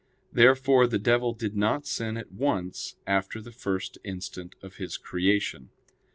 Therefore the devil did not sin at once after the first instant of his creation.